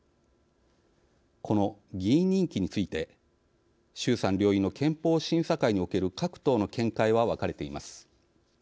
この議員任期について衆参両院の憲法審査会における各党の見解は分かれています。